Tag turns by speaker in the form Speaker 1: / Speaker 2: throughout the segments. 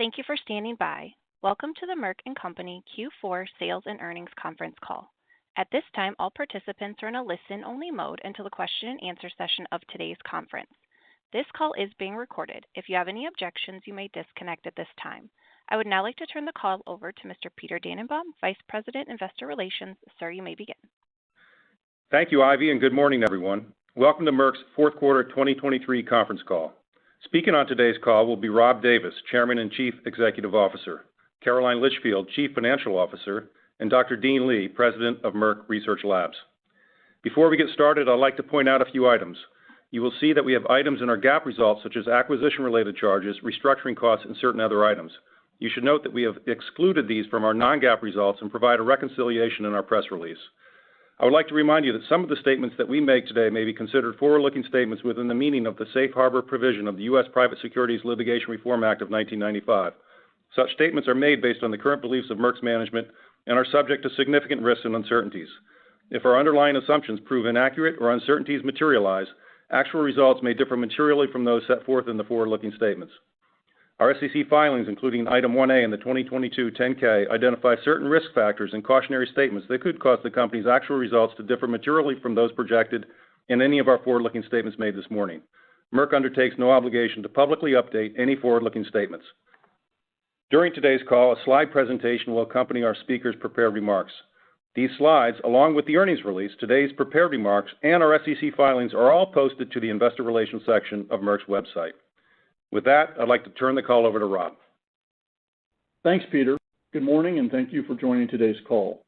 Speaker 1: Thank you for standing by. Welcome to the Merck and Company Q4 Sales and Earnings Conference Call. At this time, all participants are in a listen-only mode until the question-and-answer session of today's conference. This call is being recorded. If you have any objections, you may disconnect at this time. I would now like to turn the call over to Mr. Peter Dannenbaum, Vice President, Investor Relations. Sir, you may begin.
Speaker 2: Thank you, Ivy, and good morning, everyone. Welcome to Merck's fourth quarter 2023 conference call. Speaking on today's call will be Rob Davis, Chairman and Chief Executive Officer, Caroline Litchfield, Chief Financial Officer, and Dr. Dean Li, President of Merck Research Labs. Before we get started, I'd like to point out a few items. You will see that we have items in our GAAP results, such as acquisition-related charges, restructuring costs, and certain other items. You should note that we have excluded these from our non-GAAP results and provide a reconciliation in our press release. I would like to remind you that some of the statements that we make today may be considered forward-looking statements within the meaning of the Safe Harbor provision of the U.S. Private Securities Litigation Reform Act of 1995. Such statements are made based on the current beliefs of Merck's management and are subject to significant risks and uncertainties. If our underlying assumptions prove inaccurate or uncertainties materialize, actual results may differ materially from those set forth in the forward-looking statements. Our SEC filings, including Item 1A in the 2022 10-K, identify certain risk factors and cautionary statements that could cause the company's actual results to differ materially from those projected in any of our forward-looking statements made this morning. Merck undertakes no obligation to publicly update any forward-looking statements. During today's call, a slide presentation will accompany our speakers' prepared remarks. These slides, along with the earnings release, today's prepared remarks, and our SEC filings, are all posted to the investor relations section of Merck's website. With that, I'd like to turn the call over to Rob.
Speaker 3: Thanks, Peter. Good morning, and thank you for joining today's call.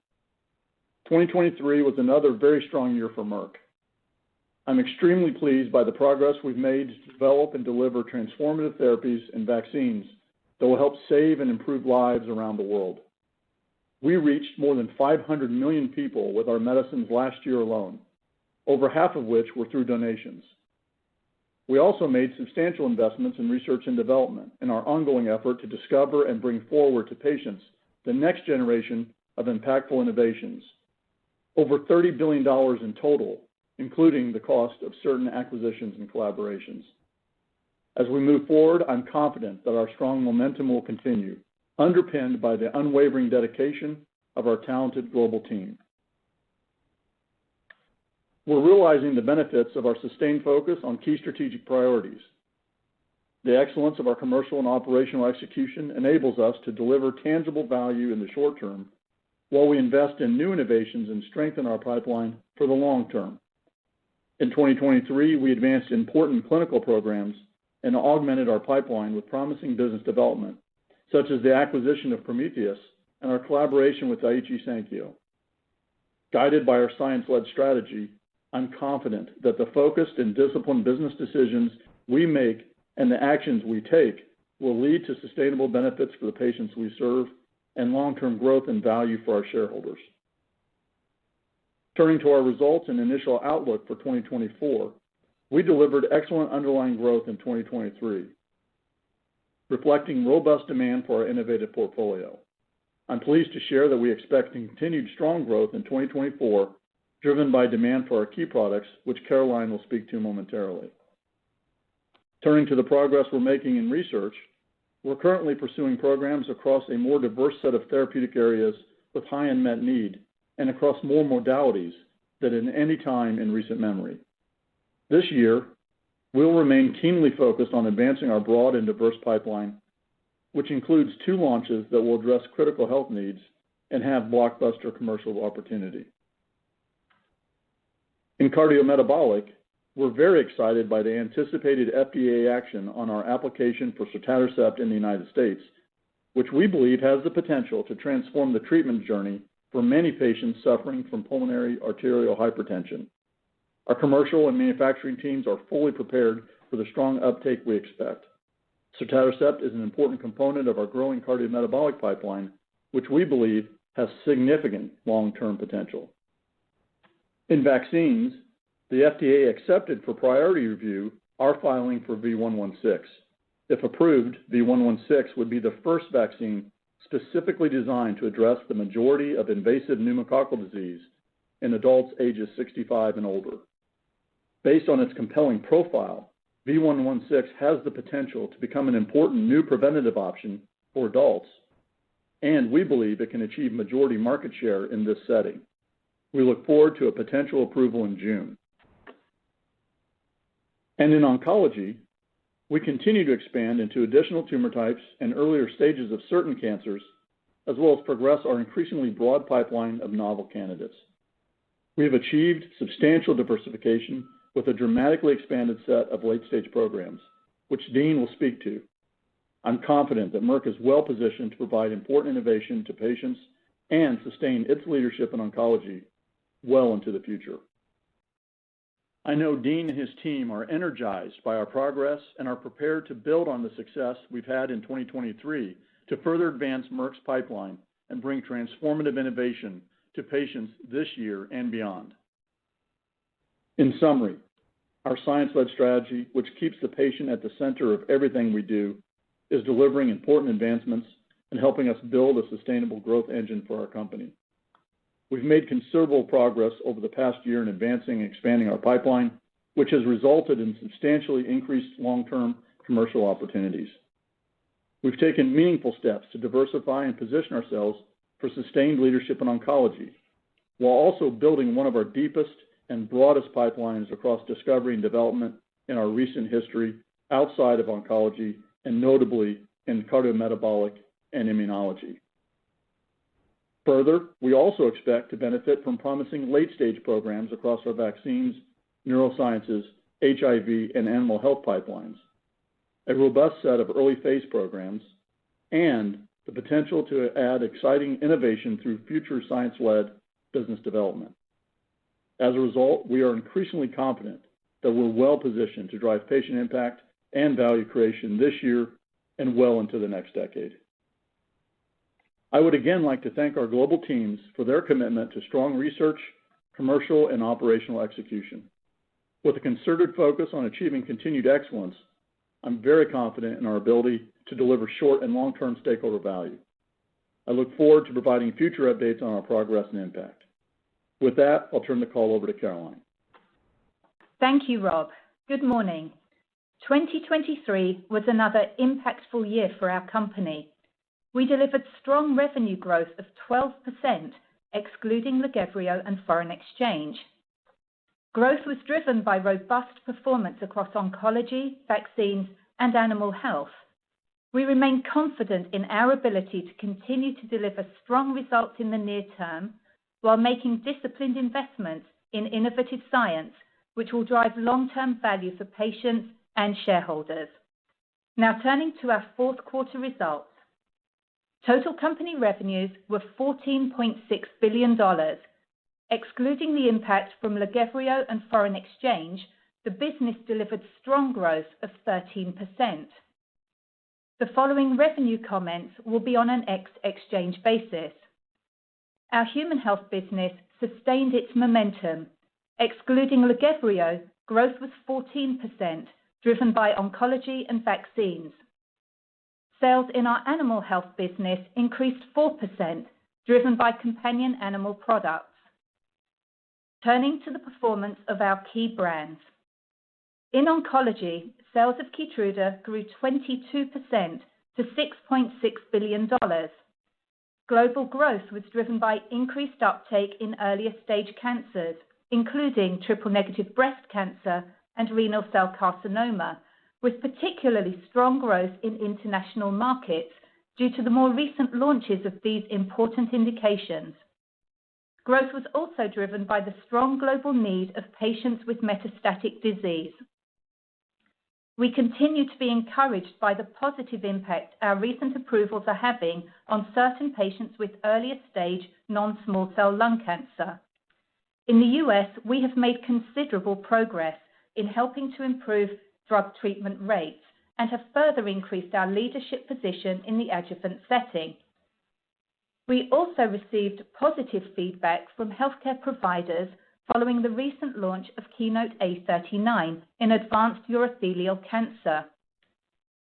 Speaker 3: 2023 was another very strong year for Merck. I'm extremely pleased by the progress we've made to develop and deliver transformative therapies and vaccines that will help save and improve lives around the world. We reached more than 500 million people with our medicines last year alone, over half of which were through donations. We also made substantial investments in research and development in our ongoing effort to discover and bring forward to patients the next generation of impactful innovations. Over $30 billion in total, including the cost of certain acquisitions and collaborations. As we move forward, I'm confident that our strong momentum will continue, underpinned by the unwavering dedication of our talented global team. We're realizing the benefits of our sustained focus on key strategic priorities. The excellence of our commercial and operational execution enables us to deliver tangible value in the short term, while we invest in new innovations and strengthen our pipeline for the long term. In 2023, we advanced important clinical programs and augmented our pipeline with promising business development, such as the acquisition of Prometheus and our collaboration with Daiichi Sankyo. Guided by our science-led strategy, I'm confident that the focused and disciplined business decisions we make and the actions we take will lead to sustainable benefits for the patients we serve and long-term growth and value for our shareholders. Turning to our results and initial outlook for 2024, we delivered excellent underlying growth in 2023, reflecting robust demand for our innovative portfolio. I'm pleased to share that we expect continued strong growth in 2024, driven by demand for our key products, which Caroline will speak to momentarily. Turning to the progress we're making in research, we're currently pursuing programs across a more diverse set of therapeutic areas with high unmet need and across more modalities than in any time in recent memory. This year, we'll remain keenly focused on advancing our broad and diverse pipeline, which includes two launches that will address critical health needs and have blockbuster commercial opportunity. In cardiometabolic, we're very excited by the anticipated FDA action on our application for sotatercept in the United States, which we believe has the potential to transform the treatment journey for many patients suffering from pulmonary arterial hypertension. Our commercial and manufacturing teams are fully prepared for the strong uptake we expect. Sotatercept is an important component of our growing cardiometabolic pipeline, which we believe has significant long-term potential. In vaccines, the FDA accepted for priority review our filing for V116. If approved, V116 would be the first vaccine specifically designed to address the majority of invasive pneumococcal disease in adults ages 65 and older. Based on its compelling profile, V116 has the potential to become an important new preventative option for adults, and we believe it can achieve majority market share in this setting. We look forward to a potential approval in June. In oncology, we continue to expand into additional tumor types and earlier stages of certain cancers, as well as progress our increasingly broad pipeline of novel candidates. We have achieved substantial diversification with a dramatically expanded set of late-stage programs, which Dean will speak to. I'm confident that Merck is well positioned to provide important innovation to patients and sustain its leadership in oncology well into the future. I know Dean and his team are energized by our progress and are prepared to build on the success we've had in 2023 to further advance Merck's pipeline and bring transformative innovation to patients this year and beyond. In summary, our science-led strategy, which keeps the patient at the center of everything we do, is delivering important advancements and helping us build a sustainable growth engine for our company. We've made considerable progress over the past year in advancing and expanding our pipeline, which has resulted in substantially increased long-term commercial opportunities. We've taken meaningful steps to diversify and position ourselves for sustained leadership in oncology, while also building one of our deepest and broadest pipelines across discovery and development in our recent history outside of oncology, and notably in cardiometabolic and immunology. Further, we also expect to benefit from promising late-stage programs across our vaccines, neurosciences, HIV, and animal health pipelines, a robust set of early-phase programs, and the potential to add exciting innovation through future science-led business development. As a result, we are increasingly confident that we're well-positioned to drive patient impact and value creation this year and well into the next decade. I would again like to thank our global teams for their commitment to strong research, commercial, and operational execution. With a concerted focus on achieving continued excellence, I'm very confident in our ability to deliver short and long-term stakeholder value. I look forward to providing future updates on our progress and impact. With that, I'll turn the call over to Caroline.
Speaker 4: Thank you, Rob. Good morning. 2023 was another impactful year for our company. We delivered strong revenue growth of 12%, excluding LYNPARZA and foreign exchange. Growth was driven by robust performance across oncology, vaccines, and animal health. We remain confident in our ability to continue to deliver strong results in the near term, while making disciplined investments in innovative science, which will drive long-term value for patients and shareholders. Now, turning to our fourth quarter results. Total company revenues were $14.6 billion, excluding the impact from LYNPARZA and foreign exchange. The business delivered strong growth of 13%. The following revenue comments will be on an ex-exchange basis. Our human health business sustained its momentum. Excluding LYNPARZA, growth was 14%, driven by oncology and vaccines. Sales in our animal health business increased 4%, driven by companion animal products. Turning to the performance of our key brands. In oncology, sales of KEYTRUDA grew 22% to $6.6 billion. Global growth was driven by increased uptake in earlier stage cancers, including triple-negative breast cancer and renal cell carcinoma, with particularly strong growth in international markets due to the more recent launches of these important indications. Growth was also driven by the strong global need of patients with metastatic disease. We continue to be encouraged by the positive impact our recent approvals are having on certain patients with earlier stage non-small cell lung cancer. In the U.S., we have made considerable progress in helping to improve drug treatment rates and have further increased our leadership position in the adjuvant setting. We also received positive feedback from healthcare providers following the recent launch of KEYNOTE-A39 in advanced urothelial cancer.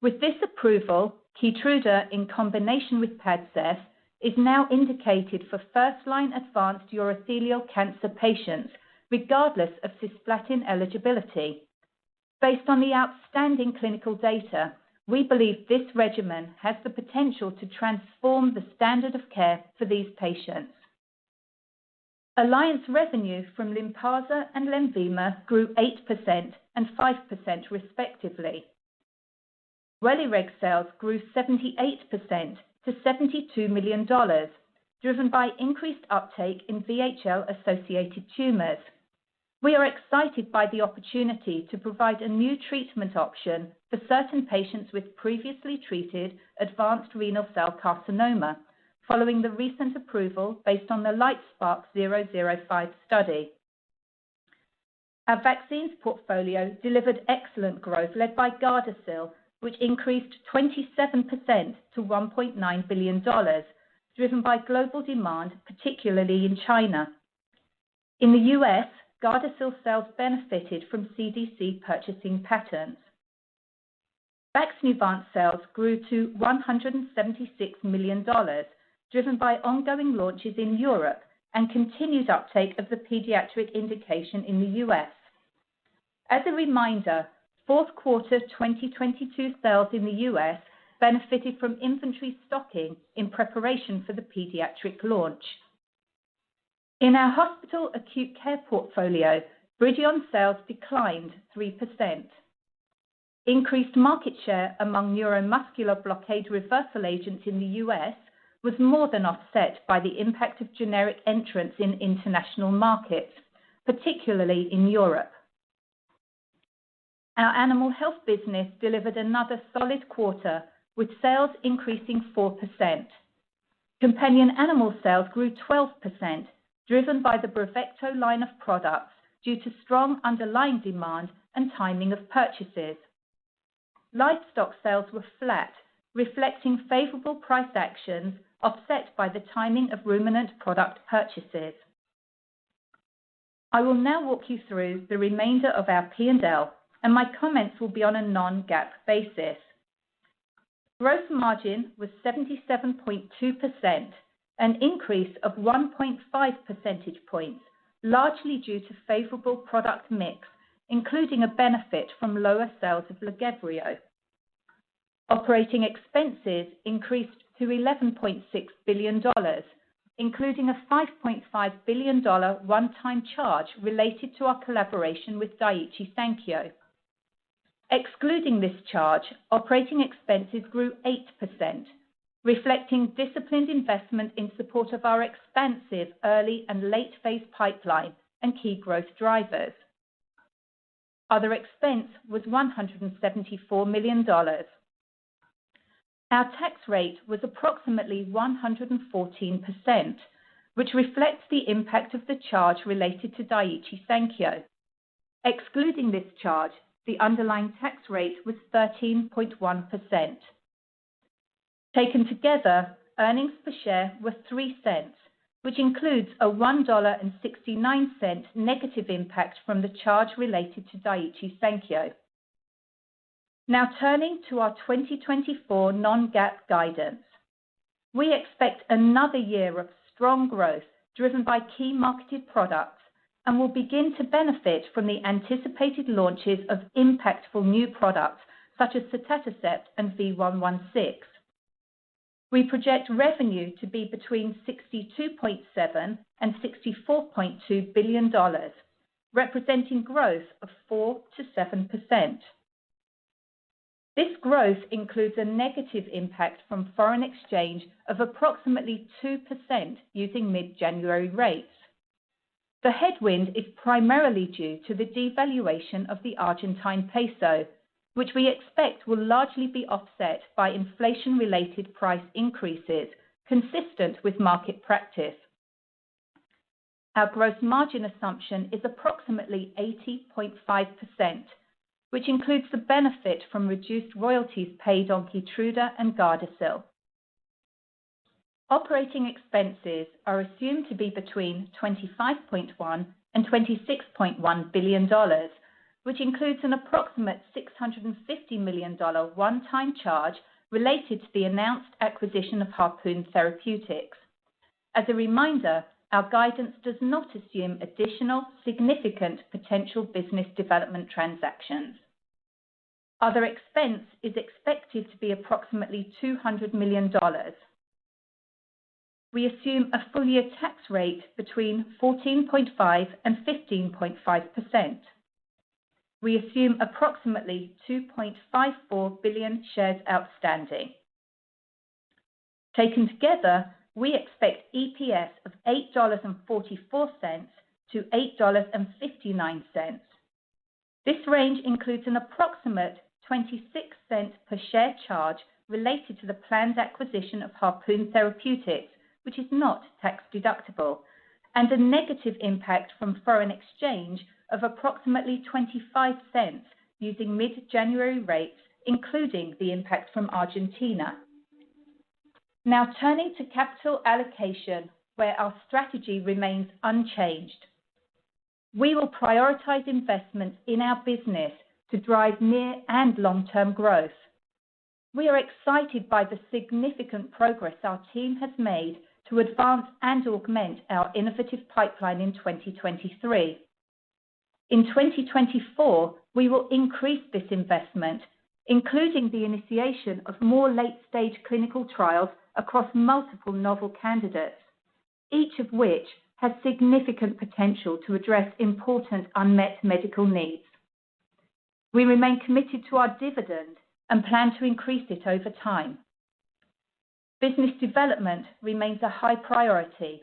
Speaker 4: With this approval, KEYTRUDA, in combination with PADCEV, is now indicated for first-line advanced urothelial cancer patients, regardless of cisplatin eligibility. Based on the outstanding clinical data, we believe this regimen has the potential to transform the standard of care for these patients. Alliance revenue from LYNPARZA and LENVIMA grew 8% and 5%, respectively. WELIREG sales grew 78% to $72 million, driven by increased uptake in VHL-associated tumors. We are excited by the opportunity to provide a new treatment option for certain patients with previously treated advanced renal cell carcinoma following the recent approval based on the LITESPARK-005 study. Our vaccines portfolio delivered excellent growth, led by GARDASIL, which increased 27% to $1.9 billion, driven by global demand, particularly in China. In the US, GARDASIL sales benefited from CDC purchasing patterns. VAXNEUVANCE sales grew to $176 million, driven by ongoing launches in Europe and continued uptake of the pediatric indication in the U.S. As a reminder, fourth quarter 2022 sales in the U.S. benefited from inventory stocking in preparation for the pediatric launch. In our hospital acute care portfolio, BRIDION sales declined 3%. Increased market share among neuromuscular blockade reversal agents in the US was more than offset by the impact of generic entrants in international markets, particularly in Europe. Our animal health business delivered another solid quarter, with sales increasing 4%. Companion animal sales grew 12%, driven by the BRAVECTO line of products due to strong underlying demand and timing of purchases. Livestock sales were flat, reflecting favorable price actions, offset by the timing of ruminant product purchases. I will now walk you through the remainder of our P&L, and my comments will be on a non-GAAP basis. Gross margin was 77.2%, an increase of 1.5 percentage points, largely due to favorable product mix, including a benefit from lower sales of LAGEVRIO. Operating expenses increased to $11.6 billion, including a $5.5 billion one-time charge related to our collaboration with Daiichi Sankyo. Excluding this charge, operating expenses grew 8%, reflecting disciplined investment in support of our expansive early and late-phase pipeline and key growth drivers. Other expense was $174 million. Our tax rate was approximately 114%, which reflects the impact of the charge related to Daiichi Sankyo. Excluding this charge, the underlying tax rate was 13.1%. Taken together, earnings per share were $0.03, which includes a $1.69 negative impact from the charge related to Daiichi Sankyo. Now, turning to our 2024 non-GAAP guidance. We expect another year of strong growth, driven by key marketed products, and will begin to benefit from the anticipated launches of impactful new products such as sotatercept and V116. We project revenue to be between $62.7 billion and $64.2 billion, representing growth of 4%-7%. This growth includes a negative impact from foreign exchange of approximately 2% using mid-January rates. The headwind is primarily due to the devaluation of the Argentine peso, which we expect will largely be offset by inflation-related price increases consistent with market practice. Our gross margin assumption is approximately 80.5%, which includes the benefit from reduced royalties paid on KEYTRUDA and GARDASIL. Operating expenses are assumed to be between $25.1 billion and $26.1 billion, which includes an approximate $650 million one-time charge related to the announced acquisition of Harpoon Therapeutics. As a reminder, our guidance does not assume additional significant potential business development transactions. Other expense is expected to be approximately $200 million. We assume a full-year tax rate between 14.5% and 15.5%. We assume approximately 2.54 billion shares outstanding. Taken together, we expect EPS of $8.44-$8.59. This range includes an approximate $0.26 per share charge related to the planned acquisition of Harpoon Therapeutics, which is not tax-deductible, and a negative impact from foreign exchange of approximately $0.25 using mid-January rates, including the impact from Argentina. Now turning to capital allocation, where our strategy remains unchanged. We will prioritize investments in our business to drive near and long-term growth. We are excited by the significant progress our team has made to advance and augment our innovative pipeline in 2023. In 2024, we will increase this investment, including the initiation of more late-stage clinical trials across multiple novel candidates, each of which has significant potential to address important unmet medical needs. We remain committed to our dividend and plan to increase it over time. Business development remains a high priority.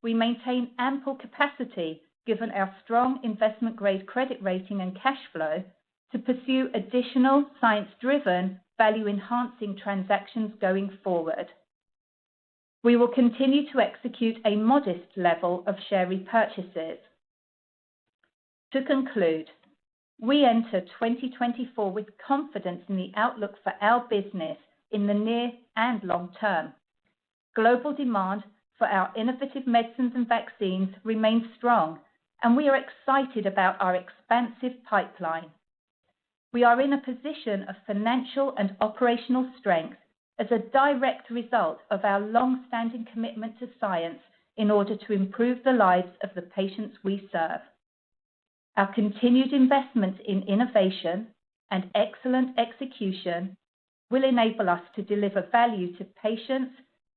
Speaker 4: We maintain ample capacity, given our strong investment-grade credit rating and cash flow, to pursue additional science-driven, value-enhancing transactions going forward. We will continue to execute a modest level of share repurchases. To conclude, we enter 2024 with confidence in the outlook for our business in the near and long term. Global demand for our innovative medicines and vaccines remains strong, and we are excited about our expansive pipeline. We are in a position of financial and operational strength as a direct result of our long-standing commitment to science in order to improve the lives of the patients we serve. Our continued investment in innovation and excellent execution will enable us to deliver value to patients,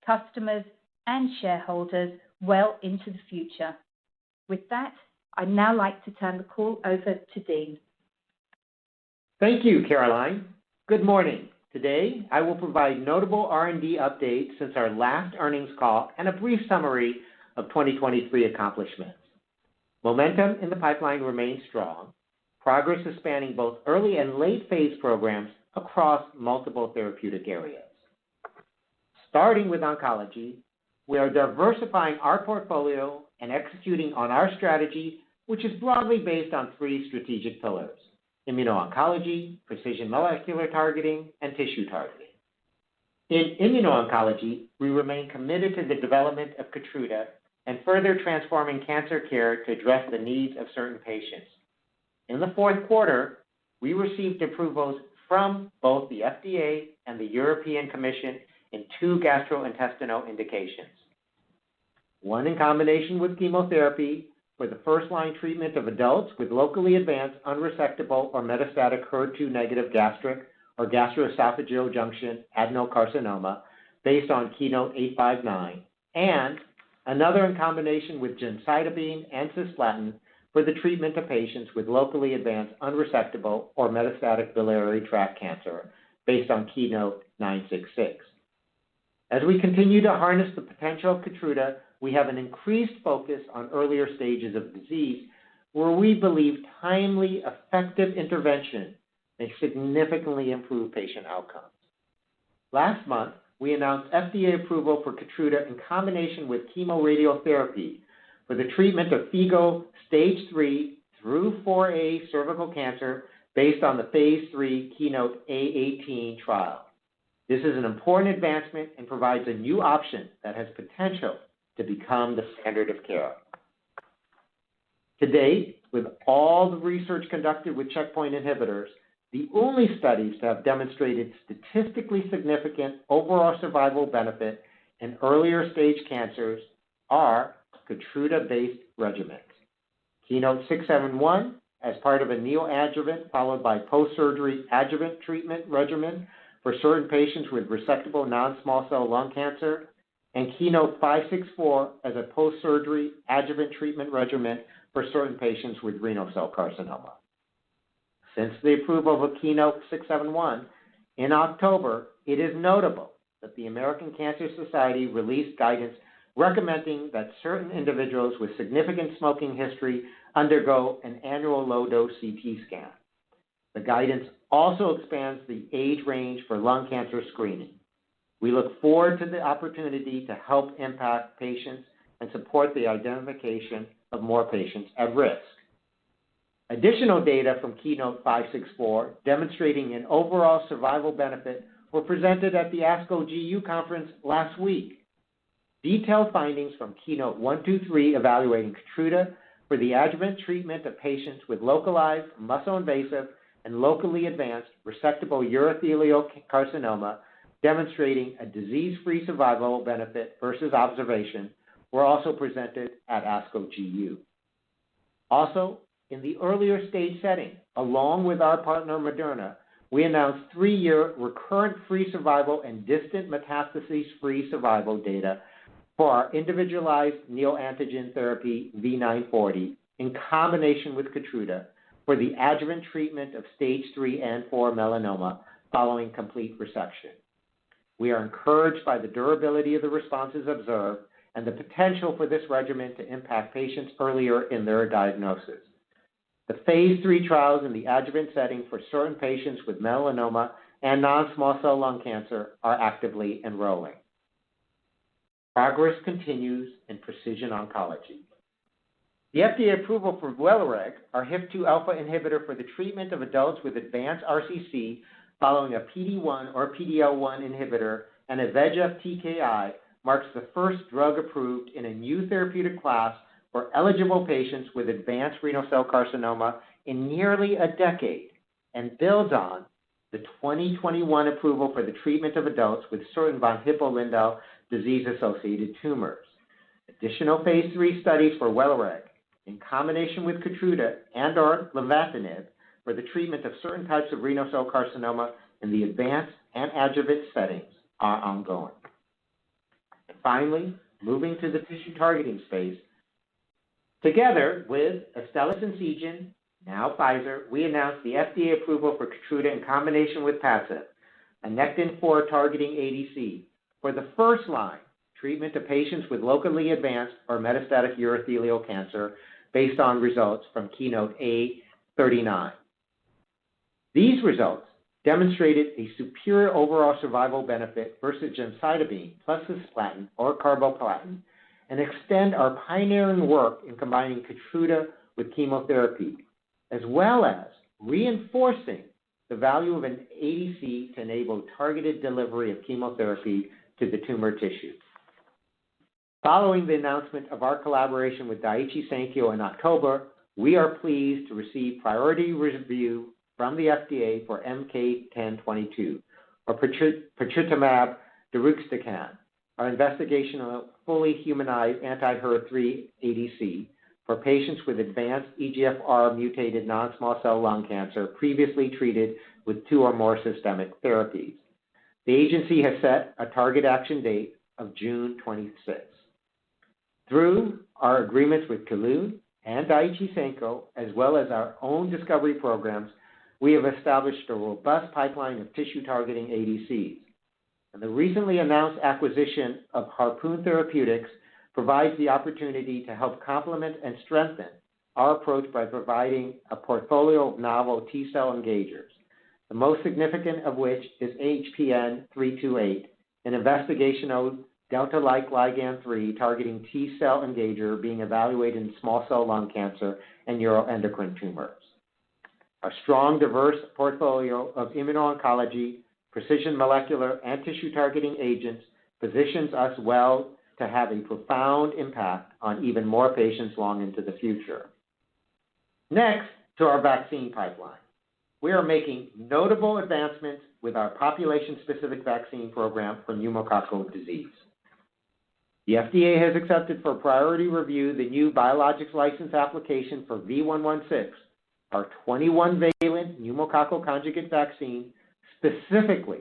Speaker 4: customers, and shareholders well into the future. With that, I'd now like to turn the call over to Dean.
Speaker 5: Thank you, Caroline. Good morning. Today, I will provide notable R&D updates since our last earnings call and a brief summary of 2023 accomplishments. Momentum in the pipeline remains strong. Progress is spanning both early and late-phase programs across multiple therapeutic areas. Starting with oncology, we are diversifying our portfolio and executing on our strategy, which is broadly based on three strategic pillars: immuno-oncology, precision molecular targeting, and tissue targeting.... In immuno-oncology, we remain committed to the development of KEYTRUDA and further transforming cancer care to address the needs of certain patients. In the fourth quarter, we received approvals from both the FDA and the European Commission in two gastrointestinal indications. One in combination with chemotherapy for the first-line treatment of adults with locally advanced unresectable or metastatic HER2-negative gastric or gastroesophageal junction adenocarcinoma based on KEYNOTE-859, and another in combination with gemcitabine and cisplatin for the treatment of patients with locally advanced unresectable or metastatic biliary tract cancer based on KEYNOTE-966. As we continue to harness the potential of KEYTRUDA, we have an increased focus on earlier stages of disease, where we believe timely, effective intervention may significantly improve patient outcomes. Last month, we announced FDA approval for KEYTRUDA in combination with chemoradiotherapy for the treatment of FIGO Stage III through IVA cervical cancer based on the phase III KEYNOTE-A18 trial. This is an important advancement and provides a new option that has potential to become the standard of care. To date, with all the research conducted with checkpoint inhibitors, the only studies that have demonstrated statistically significant overall survival benefit in earlier stage cancers are KEYTRUDA-based regimens. KEYNOTE-671, as part of a neoadjuvant followed by postsurgery adjuvant treatment regimen for certain patients with resectable non-small cell lung cancer, and KEYNOTE-564 as a postsurgery adjuvant treatment regimen for certain patients with renal cell carcinoma. Since the approval of KEYNOTE-671 in October, it is notable that the American Cancer Society released guidance recommending that certain individuals with significant smoking history undergo an annual low-dose CT scan. The guidance also expands the age range for lung cancer screening. We look forward to the opportunity to help impact patients and support the identification of more patients at risk. Additional data from KEYNOTE-564, demonstrating an overall survival benefit, were presented at the ASCO GU conference last week. Detailed findings from KEYNOTE-123, evaluating KEYTRUDA for the adjuvant treatment of patients with localized muscle-invasive and locally advanced resectable urothelial carcinoma, demonstrating a disease-free survival benefit versus observation, were also presented at ASCO GU. Also, in the earlier stage setting, along with our partner, Moderna, we announced three-year recurrent-free survival and distant metastases-free survival data for our individualized neoantigen therapy, V940, in combination with KEYTRUDA for the adjuvant treatment of Stage three and four melanoma following complete resection. We are encouraged by the durability of the responses observed and the potential for this regimen to impact patients earlier in their diagnosis. The Phase III trials in the adjuvant setting for certain patients with melanoma and non-small cell lung cancer are actively enrolling. Progress continues in precision oncology. The FDA approval for WELIREG, our HIF-2 alpha inhibitor for the treatment of adults with advanced RCC following a PD-1 or PD-L1 inhibitor and a VEGF-TKI, marks the first drug approved in a new therapeutic class for eligible patients with advanced renal cell carcinoma in nearly a decade and builds on the 2021 approval for the treatment of adults with certain von Hippel-Lindau disease-associated tumors. Additional Phase III studies for WELIREG in combination with KEYTRUDA and/or lenvatinib for the treatment of certain types of renal cell carcinoma in the advanced and adjuvant settings are ongoing. Finally, moving to the tissue targeting space. Together with Astellas and Seagen, now Pfizer, we announced the FDA approval for KEYTRUDA in combination with PADCEV, a nectin-4 targeting ADC, for the first-line treatment of patients with locally advanced or metastatic urothelial cancer based on results from KEYNOTE-A39. These results demonstrated a superior overall survival benefit versus gemcitabine plus cisplatin or carboplatin, and extend our pioneering work in combining KEYTRUDA with chemotherapy, as well as reinforcing the value of an ADC to enable targeted delivery of chemotherapy to the tumor tissue. Following the announcement of our collaboration with Daiichi Sankyo in October, we are pleased to receive priority review from the FDA for MK-1022, or patritumab deruxtecan, our investigational fully humanized anti-HER3 ADC, for patients with advanced EGFR mutated non-small cell lung cancer previously treated with two or more systemic therapies. The agency has set a target action date of June twenty-sixth. Through our agreements with Kelun and Daiichi Sankyo, as well as our own discovery programs, we have established a robust pipeline of tissue-targeting ADCs. The recently announced acquisition of Harpoon Therapeutics provides the opportunity to help complement and strengthen our approach by providing a portfolio of novel T-cell engagers, the most significant of which is HPN328, an investigational delta-like ligand three targeting T-cell engager being evaluated in small cell lung cancer and neuroendocrine tumors. A strong, diverse portfolio of immuno-oncology, precision molecular, and tissue-targeting agents positions us well to have a profound impact on even more patients long into the future. Next, to our vaccine pipeline. We are making notable advancements with our population-specific vaccine program for pneumococcal disease. The FDA has accepted for priority review the new biologics license application for V116, our 21-valent pneumococcal conjugate vaccine, specifically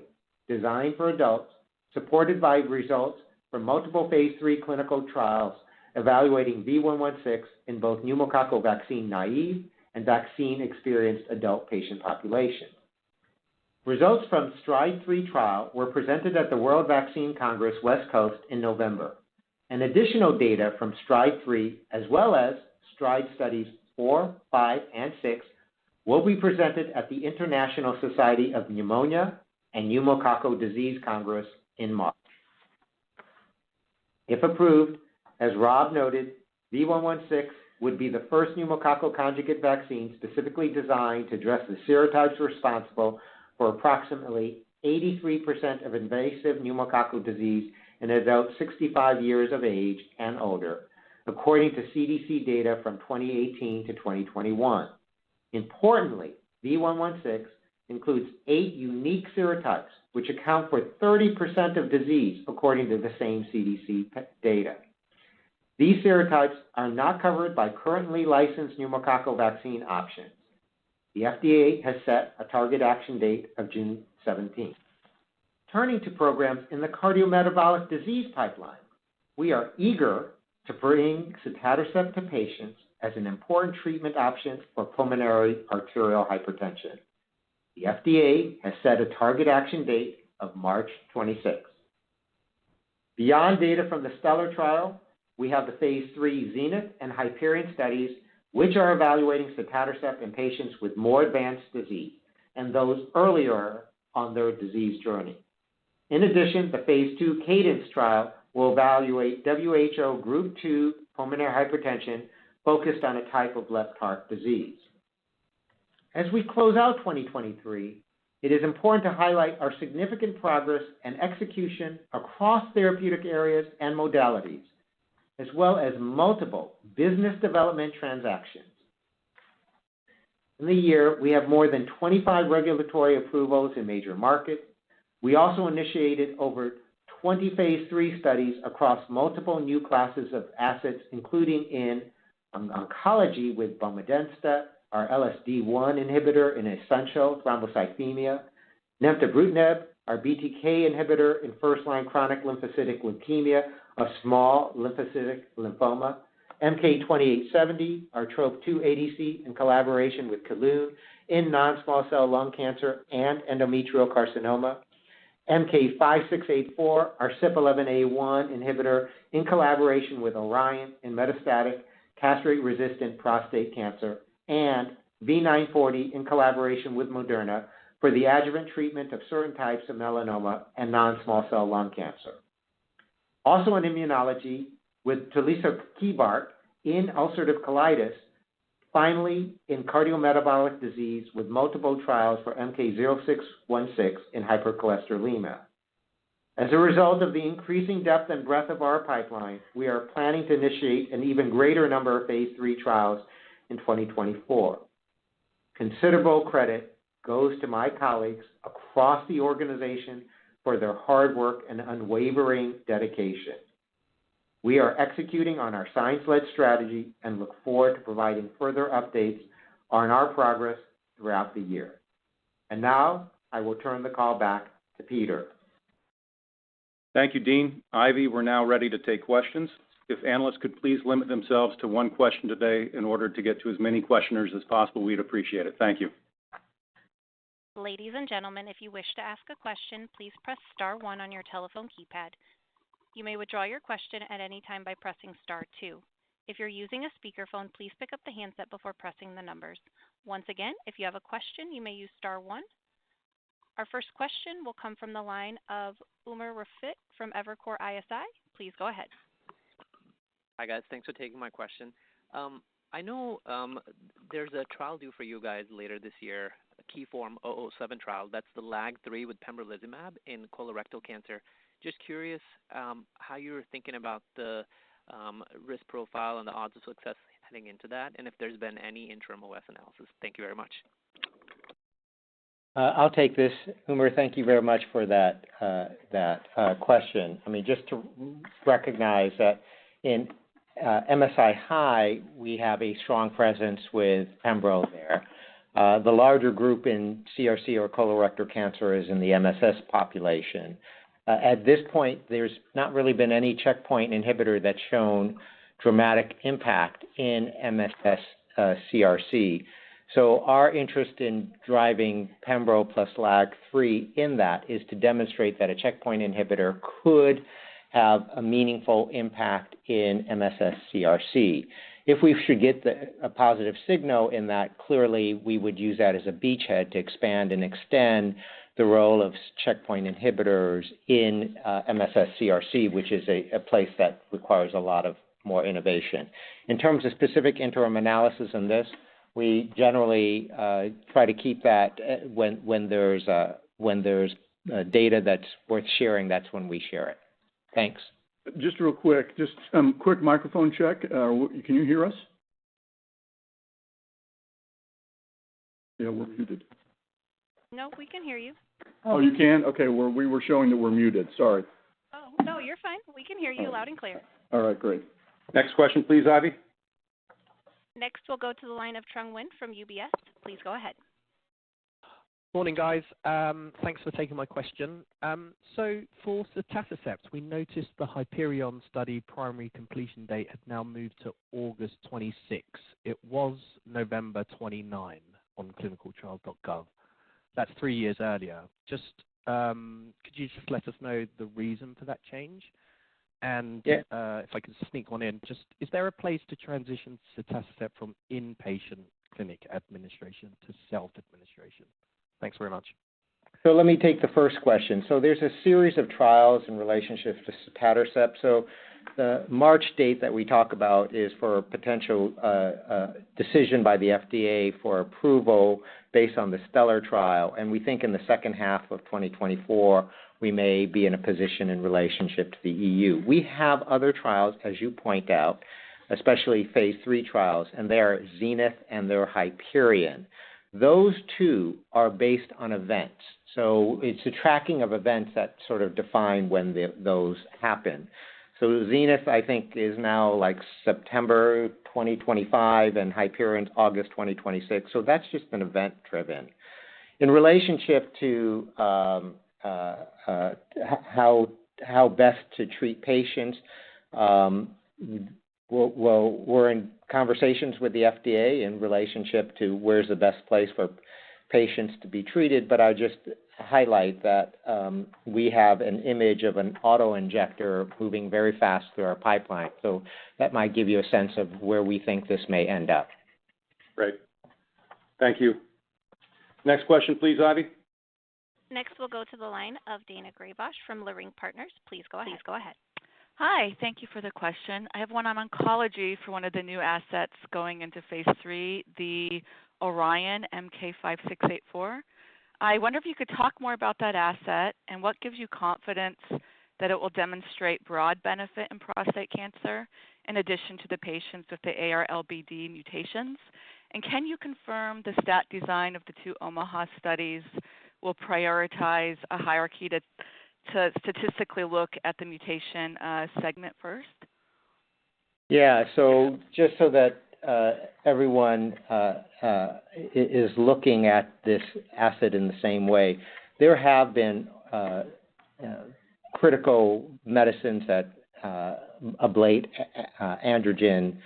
Speaker 5: designed for adults, supported by results from multiple phase III clinical trials evaluating V116 in both pneumococcal vaccine-naive and vaccine-experienced adult patient populations. Results from STRIDE-3 trial were presented at the World Vaccine Congress West Coast in November, and additional data from STRIDE-3, as well as STRIDE studies 4, 5, and 6, will be presented at the International Society of Pneumonia and Pneumococcal Disease Congress in March. If approved, as Rob noted, V116 would be the first pneumococcal conjugate vaccine specifically designed to address the serotypes responsible for approximately 83% of invasive pneumococcal disease in adults 65 years of age and older, according to CDC data from 2018 to 2021. Importantly, V116 includes eight unique serotypes, which account for 30% of disease, according to the same CDC data. These serotypes are not covered by currently licensed pneumococcal vaccine options. The FDA has set a target action date of June seventeenth. Turning to programs in the cardiometabolic disease pipeline, we are eager to bring sotatercept to patients as an important treatment option for pulmonary arterial hypertension. The FDA has set a target action date of March 26th. Beyond data from the STELLAR trial, we have the phase III ZENITH and HYPERION studies, which are evaluating sotatercept in patients with more advanced disease and those earlier on their disease journey. In addition, the phase II CADENCE trial will evaluate WHO Group II pulmonary hypertension, focused on a type of left heart disease. As we close out 2023, it is important to highlight our significant progress and execution across therapeutic areas and modalities, as well as multiple business development transactions. In the year, we have more than 25 regulatory approvals in major markets. We also initiated over 20 phase III studies across multiple new classes of assets, including in oncology, with bomedemstat, our LSD1 inhibitor in essential thrombocythemia, nemtabrutinib, our BTK inhibitor in first-line chronic lymphocytic leukemia/small lymphocytic lymphoma, MK-2870, our Trop-2 ADC in collaboration with Kelun in non-small cell lung cancer and endometrial carcinoma, MK-5684, our CYP11A1 inhibitor in collaboration with Orion in metastatic castration-resistant prostate cancer, and V940 in collaboration with Moderna for the adjuvant treatment of certain types of melanoma and non-small cell lung cancer. Also in immunology with tulisokibart in ulcerative colitis, finally in cardiometabolic disease with multiple trials for MK-0616 in hypercholesterolemia. As a result of the increasing depth and breadth of our pipeline, we are planning to initiate an even greater number of phase III trials in 2024. Considerable credit goes to my colleagues across the organization for their hard work and unwavering dedication. We are executing on our science-led strategy and look forward to providing further updates on our progress throughout the year. Now, I will turn the call back to Peter.
Speaker 2: Thank you, Dean. Ivy, we're now ready to take questions. If analysts could please limit themselves to one question today in order to get to as many questioners as possible, we'd appreciate it. Thank you.
Speaker 1: Ladies and gentlemen, if you wish to ask a question, please press star one on your telephone keypad. You may withdraw your question at any time by pressing star two. If you're using a speakerphone, please pick up the handset before pressing the numbers. Once again, if you have a question, you may use star one. Our first question will come from the line of Umer Raffat from Evercore ISI. Please go ahead.
Speaker 6: Hi, guys. Thanks for taking my question. I know, there's a trial due for you guys later this year, a KEYNOTE-007 trial. That's the LAG-3 with pembrolizumab in colorectal cancer. Just curious, how you were thinking about the, risk profile and the odds of success heading into that, and if there's been any interim OS analysis. Thank you very much.
Speaker 5: I'll take this, Umer. Thank you very much for that question. I mean, just to recognize that in MSI-H, we have a strong presence with pembro there. The larger group in CRC or colorectal cancer is in the MSS population. At this point, there's not really been any checkpoint inhibitor that's shown dramatic impact in MSS CRC. So our interest in driving pembro plus LAG-3 in that is to demonstrate that a checkpoint inhibitor could have a meaningful impact in MSS CRC. If we should get a positive signal in that, clearly we would use that as a beachhead to expand and extend the role of PD-1 checkpoint inhibitors in MSS CRC, which is a place that requires a lot more innovation. In terms of specific interim analysis on this, we generally try to keep that when there's data that's worth sharing, that's when we share it. Thanks.
Speaker 1: Just real quick, just some quick microphone check. Can you hear us? Yeah, we're muted. No, we can hear you. Oh, you can? Okay. Well, we were showing that we're muted. Sorry. Oh, no, you're fine. We can hear you loud and clear. All right, great. Next question please, Ivy. Next, we'll go to the line of Trung Huynh from UBS. Please go ahead.
Speaker 7: Morning, guys. Thanks for taking my question. So for sotatercept, we noticed the Hyperion study primary completion date has now moved to August 26th. It was November 29th on ClinicalTrials.gov. That's three years earlier. Just, could you just let us know the reason for that change?
Speaker 5: Yeah.
Speaker 7: If I could sneak one in, just is there a place to transition sotatercept from inpatient clinic administration to self-administration? Thanks very much.
Speaker 5: So let me take the first question. So there's a series of trials in relationship to sotatercept. So the March date that we talk about is for a potential decision by the FDA for approval based on the Stellar trial. And we think in the second half of 2024, we may be in a position in relationship to the EU. We have other trials, as you point out, especially phase III trials, and they are Zenith and they're Hyperion. Those two are based on events, so it's a tracking of events that sort of define when those happen. So Zenith, I think, is now, like, September 2025, and Hyperion, August 2026. So that's just been event-driven. In relationship to how best to treat patients, well, we're in conversations with the FDA in relationship to where's the best place for patients to be treated, but I'll just highlight that, we have an image of an auto-injector moving very fast through our pipeline. So that might give you a sense of where we think this may end up.
Speaker 1: Great. Thank you. Next question, please, Ivy. Next, we'll go to the line of Daina Graybosch from Leerink Partners. Please go ahead. Please go ahead.
Speaker 8: Hi. Thank you for the question. I have one on oncology for one of the new assets going into phase III, the Orion MK-5684. I wonder if you could talk more about that asset and what gives you confidence that it will demonstrate broad benefit in prostate cancer, in addition to the patients with the AR LBD mutations. And can you confirm the study design of the two OMAHA studies will prioritize a hierarchy to statistically look at the mutation segment first?
Speaker 5: Yeah, so just so that everyone is looking at this asset in the same way, there have been critical medicines that ablate androgen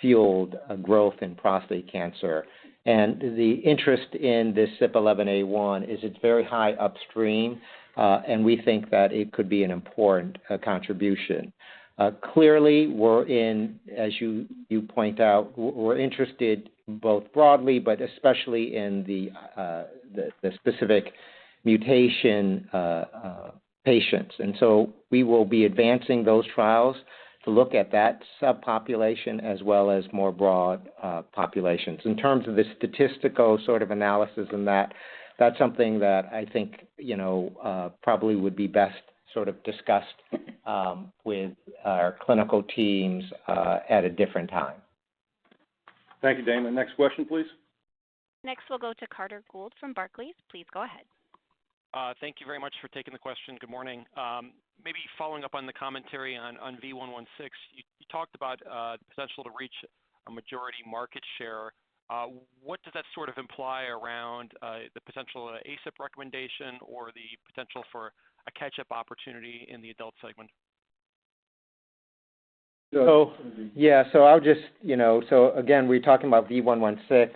Speaker 5: fueled growth in prostate cancer. And the interest in this CYP11A1 is it's very high upstream, and we think that it could be an important contribution. Clearly, we're in... As you point out, we're interested both broadly, but especially in the specific mutation patients. And so we will be advancing those trials to look at that subpopulation as well as more broad populations. In terms of the statistical sort of analysis in that, that's something that I think, you know, probably would be best sort of discussed with our clinical teams at a different time.
Speaker 1: Thank you, Dana. Next question, please. Next, we'll go to Carter Gould from Barclays. Please go ahead.
Speaker 9: Thank you very much for taking the question. Good morning. Maybe following up on the commentary on V116, you talked about the potential to reach a majority market share. What does that sort of imply around the potential ACIP recommendation or the potential for a catch-up opportunity in the adult segment?
Speaker 5: Yeah, so I'll just, you know. So again, we're talking about V116.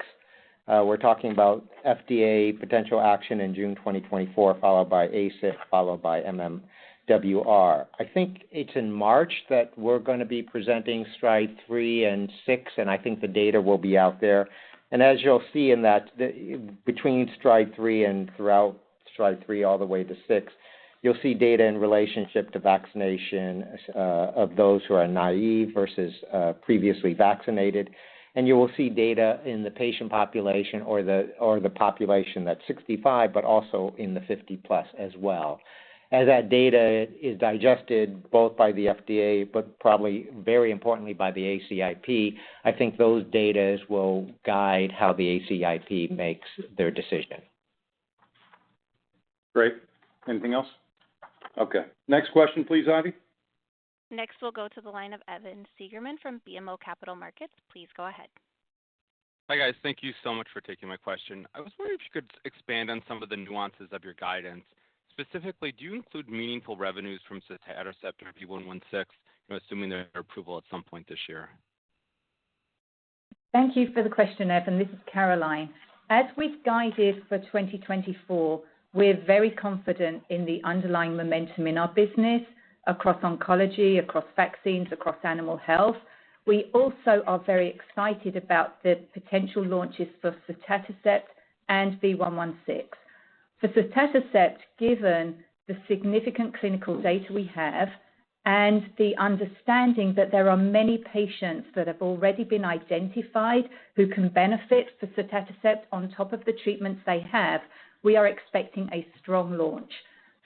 Speaker 5: We're talking about FDA potential action in June 2024, followed by ACIP, followed by MMWR. I think it's in March that we're going to be presenting STRIDE three and six, and I think the data will be out there. And as you'll see in that, the, between STRIDE three and throughout STRIDE 3 all the way to six, you'll see data in relationship to vaccination of those who are naive versus previously vaccinated. And you will see data in the patient population or the, or the population that's 65, but also in the 50-+ as well. As that data is digested, both by the FDA, but probably very importantly by the ACIP, I think those data will guide how the ACIP makes their decision.
Speaker 1: Great. Anything else? Okay. Next question, please, Ivy. Next, we'll go to the line of Evan Seigerman from BMO Capital Markets. Please go ahead.
Speaker 10: Hi, guys. Thank you so much for taking my question. I was wondering if you could expand on some of the nuances of your guidance. Specifically, do you include meaningful revenues from sotatercept or V116, assuming their approval at some point this year?
Speaker 4: Thank you for the question, Evan. This is Caroline. As we've guided for 2024, we're very confident in the underlying momentum in our business across oncology, across vaccines, across animal health. We also are very excited about the potential launches for sotatercept and V116. ... For sotatercept, given the significant clinical data we have and the understanding that there are many patients that have already been identified who can benefit for sotatercept on top of the treatments they have, we are expecting a strong launch.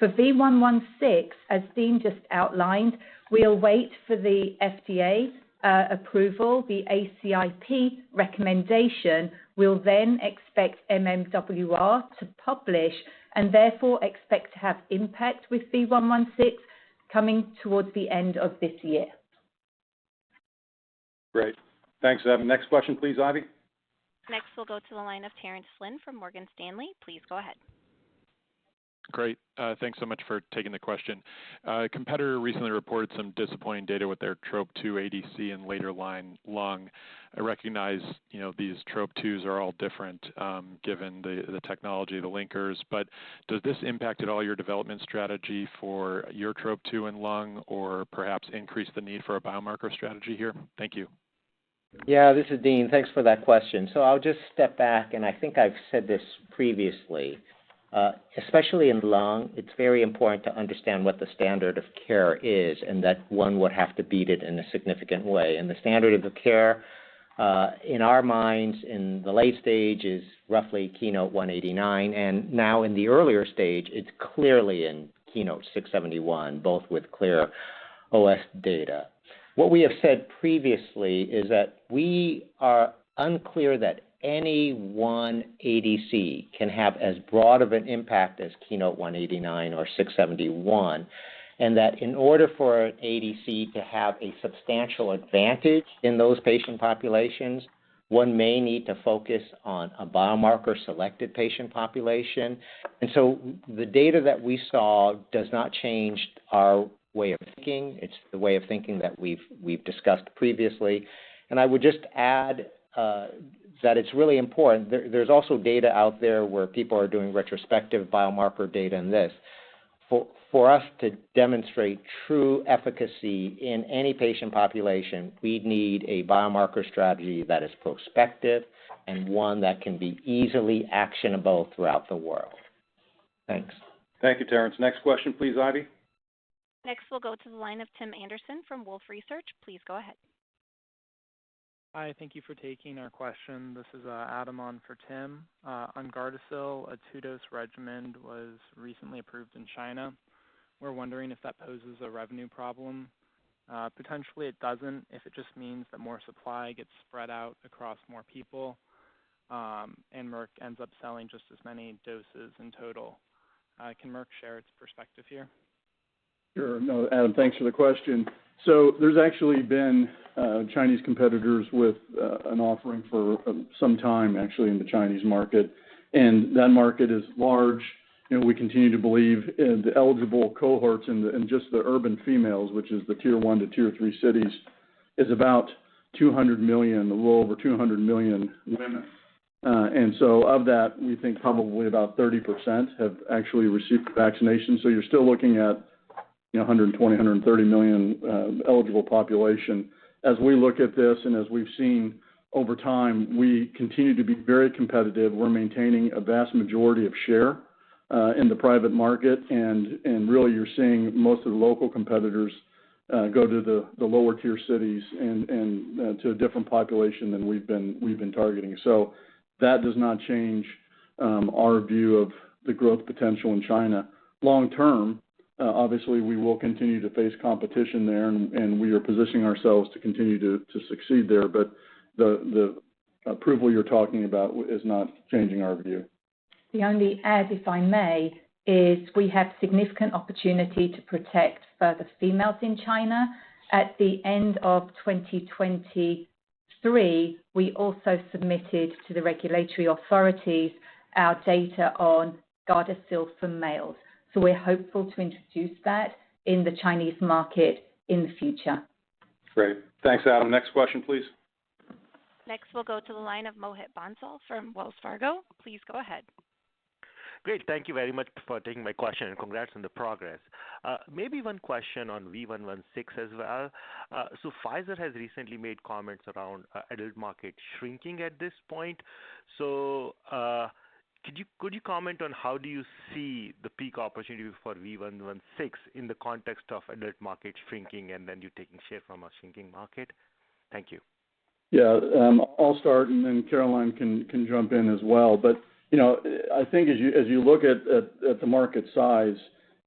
Speaker 4: For V116, as Dean just outlined, we'll wait for the FDA approval, the ACIP recommendation. We'll then expect MMWR to publish, and therefore expect to have impact with V116 coming towards the end of this year.
Speaker 1: Great. Thanks for that. Next question, please, Ivy. Next, we'll go to the line of Terence Flynn from Morgan Stanley. Please go ahead.
Speaker 11: Great. Thanks so much for taking the question. A competitor recently reported some disappointing data with their Trop-2 ADC in later-line lung. I recognize, you know, these Trop-2s are all different, given the technology, the linkers, but does this impact at all your development strategy for your Trop-2 in lung or perhaps increase the need for a biomarker strategy here? Thank you.
Speaker 5: Yeah, this is Dean. Thanks for that question. So I'll just step back, and I think I've said this previously. Especially in lung, it's very important to understand what the standard of care is, and that one would have to beat it in a significant way. And the standard of the care, in our minds, in the late stage, is roughly KEYNOTE-189, and now in the earlier stage, it's clearly in KEYNOTE-671, both with clear OS data. What we have said previously is that we are unclear that any one ADC can have as broad of an impact as KEYNOTE-189 or KEYNOTE-671, and that in order for ADC to have a substantial advantage in those patient populations, one may need to focus on a biomarker selected patient population. And so the data that we saw does not change our way of thinking. It's the way of thinking that we've discussed previously. I would just add that it's really important... There's also data out there where people are doing retrospective biomarker data in this. For us to demonstrate true efficacy in any patient population, we'd need a biomarker strategy that is prospective and one that can be easily actionable throughout the world. Thanks.
Speaker 1: Thank you, Terence. Next question, please, Ivy. Next, we'll go to the line of Tim Anderson from Wolfe Research. Please go ahead.
Speaker 12: Hi, thank you for taking our question. This is Adam on for Tim. On Gardasil, a two-dose regimen was recently approved in China. We're wondering if that poses a revenue problem. Potentially, it doesn't, if it just means that more supply gets spread out across more people, and Merck ends up selling just as many doses in total. Can Merck share its perspective here?
Speaker 3: Sure. No, Adam, thanks for the question. So there's actually been Chinese competitors with an offering for some time, actually, in the Chinese market, and that market is large, and we continue to believe the eligible cohorts in the—in just the urban females, which is the tier one to tier three cities, is about 200 million, a little over 200 million women. And so of that, we think probably about 30% have actually received the vaccination. So you're still looking at, you know, 120-130 million eligible population. As we look at this, and as we've seen over time, we continue to be very competitive. We're maintaining a vast majority of share in the private market, and really, you're seeing most of the local competitors go to the lower-tier cities and to a different population than we've been targeting. So that does not change our view of the growth potential in China. Long term, obviously, we will continue to face competition there, and we are positioning ourselves to continue to succeed there. But the approval you're talking about is not changing our view.
Speaker 4: The only add, if I may, is we have significant opportunity to protect further females in China. At the end of 2023, we also submitted to the regulatory authorities our data on GARDASIL for males. So we're hopeful to introduce that in the Chinese market in the future.
Speaker 1: Great. Thanks, Adam. Next question, please. Next, we'll go to the line of Mohit Bansal from Wells Fargo. Please go ahead.
Speaker 13: Great. Thank you very much for taking my question, and congrats on the progress. Maybe one question on V116 as well. So, Pfizer has recently made comments around, adult market shrinking at this point. So, could you, could you comment on how do you see the peak opportunity for V116 in the context of adult market shrinking, and then you taking share from a shrinking market? Thank you.
Speaker 3: Yeah, I'll start, and then Caroline can jump in as well. But, you know, I think as you look at the market size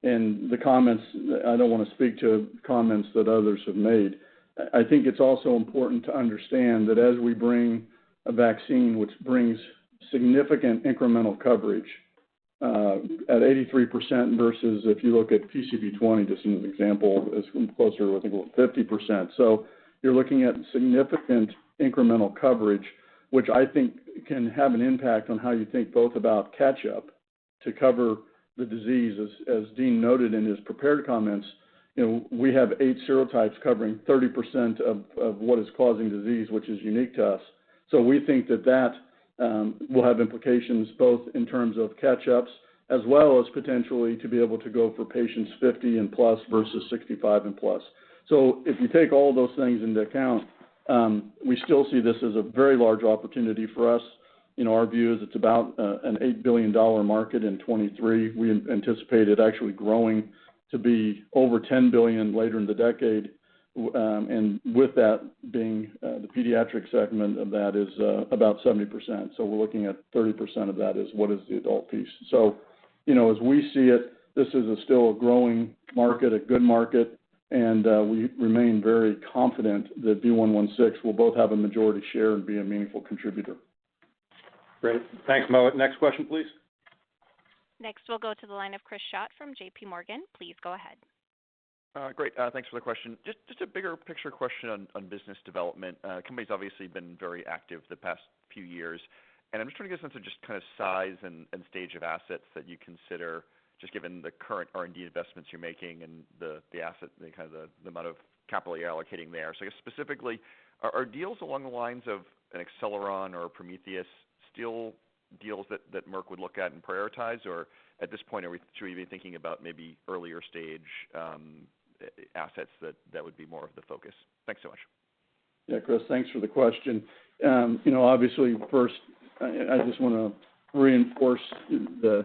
Speaker 3: and the comments, I don't want to speak to comments that others have made. I think it's also important to understand that as we bring a vaccine, which brings significant incremental coverage at 83%, versus if you look at PCV20, just as an example, is closer to, I think, about 50%. So you're looking at significant incremental coverage, which I think can have an impact on how you think both about catch-up to cover the disease. As Dean noted in his prepared comments, you know, we have 8 serotypes covering 30% of what is causing disease, which is unique to us. So we think that that will have implications both in terms of catch-ups as well as potentially to be able to go for patients 50+ versus 65+. So if you take all those things into account, we still see this as a very large opportunity for us. You know, our view is it's about an $8 billion market in 2023. We anticipate it actually growing to be over $10 billion later in the decade. And with that being, the pediatric segment of that is about 70%. So we're looking at 30% of that is what is the adult piece. So, you know, as we see it, this is still a growing market, a good market, and we remain very confident that V116 will both have a majority share and be a meaningful contributor.
Speaker 1: Great. Thanks, Mo. Next question, please. Next, we'll go to the line of Chris Schott from JPMorgan. Please go ahead.
Speaker 14: Great. Thanks for the question. Just a bigger picture question on business development. Company's obviously been very active the past few years, and I'm just trying to get a sense of just kind of size and stage of assets that you consider, just given the current R&D investments you're making and the asset, the kind of the amount of capital you're allocating there. So just specifically, are deals along the lines of an Acceleron or a Prometheus still deals that Merck would look at and prioritize? Or at this point, should we be thinking about maybe earlier stage assets that would be more of the focus? Thanks so much.
Speaker 3: Yeah, Chris, thanks for the question. You know, obviously, first, I just want to reinforce the